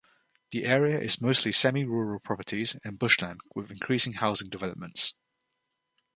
The area is mostly semi-rural properties and bushland with increasing housing developments.